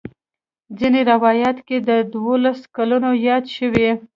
ځینې روایاتو کې د دولسو کلونو یاد شوی.